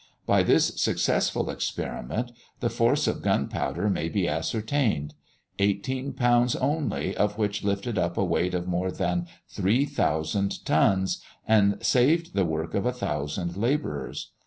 By this successful experiment, the force of gunpowder may be ascertained; eighteen pounds only of which lifted up a weight of more than three thousand tons, and saved the work of a thousand labourers.